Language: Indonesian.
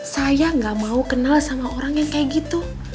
saya gak mau kenal sama orang yang kayak gitu